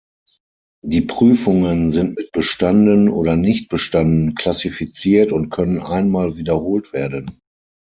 Die Prüfungen sind mit "bestanden" oder "nicht bestanden" klassifiziert und können einmal wiederholt werden.